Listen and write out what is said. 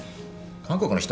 韓国の人？